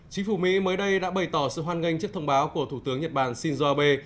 chính phủ mỹ mới đây đã bày tỏ sự hoan nghênh trước thông báo của thủ tướng nhật bản shinzo abe